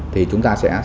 thì chúng ta sẽ